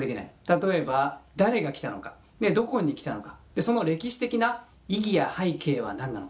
例えば誰が来たのかどこに来たのかその歴史的な意義や背景は何なのか。